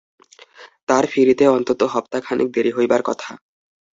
তাঁর ফিরিতে অন্তত হপ্তা-খানেক দেরি হইবার কথা।